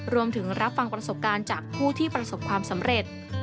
รับฟังประสบการณ์จากผู้ที่ประสบความสำเร็จ